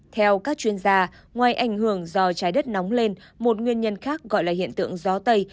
theo các chuyên gia ngoài ảnh hưởng do trái đất nóng lên một nguyên nhân khác gọi là hiện tượng gió tây